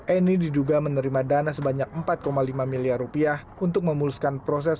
eni diduga menerima dana sebanyak empat lima miliar rupiah untuk memuluskan proses